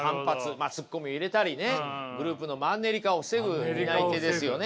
まあツッコミを入れたりねグループのマンネリ化を防ぐ担い手ですよね